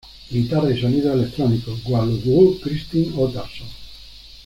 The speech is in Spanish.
Guitarra y sonidos electrónicos: Guðlaugur Kristinn Óttarsson.